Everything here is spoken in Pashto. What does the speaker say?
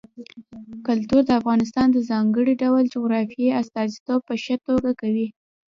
کلتور د افغانستان د ځانګړي ډول جغرافیې استازیتوب په ښه توګه کوي.